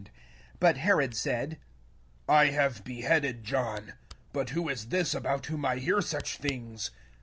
9 And Herod said, '< John I have beheaded : but who is this, of whom I hear such things